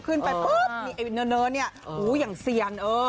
ขึ้นไปปุ๊บเนอะเนี่ยอย่างเซียนเออ